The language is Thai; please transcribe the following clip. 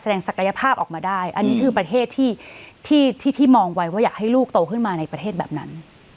ศักยภาพออกมาได้อันนี้คือประเทศที่มองไว้ว่าอยากให้ลูกโตขึ้นมาในประเทศแบบนั้น